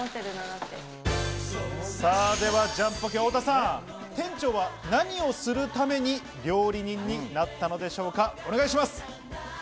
ジャンポケ・太田さん、店長は何をするために料理人になったのでしょうか？